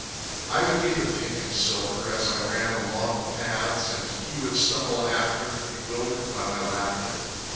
I would be the pink and silver as I ran along the paths, And he would stumble after, Bewildered by my laughter.